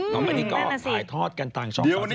น้องมันนี่ก็ถ่ายทอดกันต่างช่อง๓๒ไทยรัฐทีวี